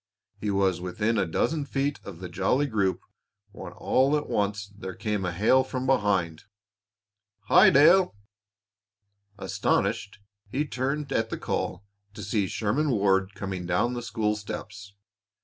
He was within a dozen feet of the jolly group when all at once there came a hail from behind. "Hi, Dale!" Astonished, he turned at the call to see Sherman Ward coming down the school steps.